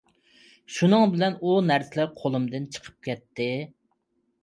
شۇنىڭ بىلەن ئۇ نەرسىلەر قولۇمدىن چىقىپ كەتتى.